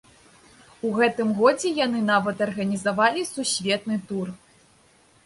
У гэтым годзе яны нават арганізавалі сусветны тур.